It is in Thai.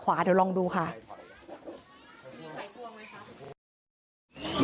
หมาก็เห่าตลอดคืนเลยเหมือนมีผีจริง